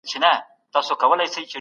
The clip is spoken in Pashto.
استازي د خپلو خلګو لپاره څه کوي؟